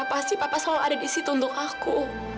pasti papa selalu ada di situ untuk aku